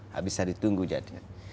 habis itu ditunggu jadi